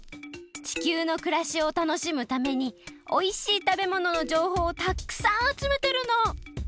地球のくらしを楽しむためにおいしいたべもののじょうほうをたくさんあつめてるの！